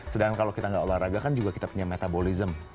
sedangkan kalau kita nggak olahraga kan juga kita punya metabolisme